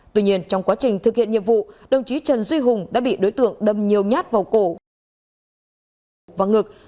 tuy nhiên trong quá trình thực hiện nhiệm vụ đồng chí trần duy hùng đã bị đối tượng đâm nhiều nhát vào cổ và ngực